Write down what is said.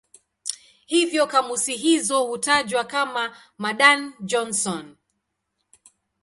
Hivyo kamusi hizo hutajwa kama "Madan-Johnson".